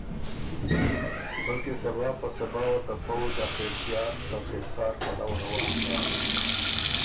بلکې صبا په صبا وه ته پؤځ ا خېݭیار ته خېسار پلؤ روان داک۔